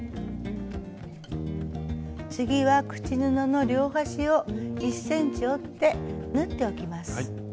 次は口布の両端を１ｃｍ折って縫っておきます。